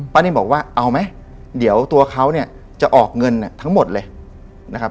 ปะนิมบอกว่าเอาไหมเดี๋ยวตัวเขาจะออกเงินทั้งหมดเลย